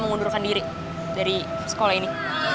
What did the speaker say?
mau ngundurkan diri dari sekolah ini